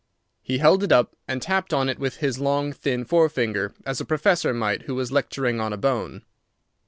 He held it up and tapped on it with his long, thin fore finger, as a professor might who was lecturing on a bone.